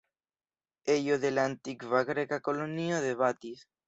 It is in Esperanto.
Ejo de la antikva Greka kolonio de Batis.